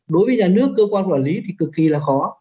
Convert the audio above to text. đối với nhà nước cơ quan quản lý thì cực kỳ là khó